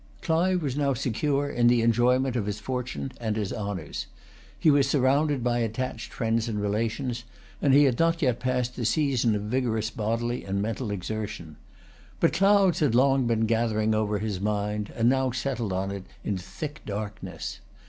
Clive was now secure in the enjoyment of his fortune and his honours. He was surrounded by attached friends and relations; and he had not yet passed the season of vigorous bodily and mental exertion. But clouds had long been gathering over his mind, and now settled on it in thick darkness.